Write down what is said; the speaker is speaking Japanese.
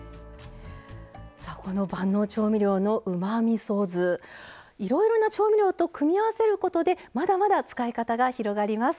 さあこの万能調味料のうまみそ酢いろいろな調味料と組み合わせることでまだまだ使い方が広がります。